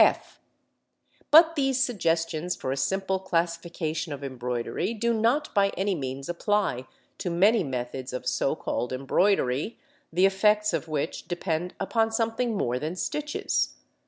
(f) But these suggestions for a simple classification of embroidery do not by any means apply to many methods of so called embroidery, the effects of which depend upon something more than stitches.